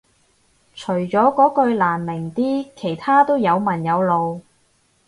除咗嗰句難明啲其他都有文有路